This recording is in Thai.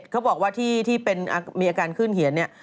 เขาบอกว่าที่มีอาการขึ้นเหียน